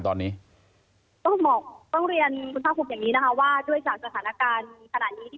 ตอนนี้ยังไงครับเสด็จสถานการณ์ตอนนี้